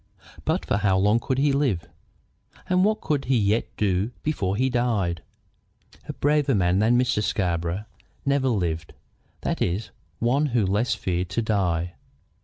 But for how long could he live? And what could he yet do before he died? A braver man than Mr. Scarborough never lived, that is, one who less feared to die.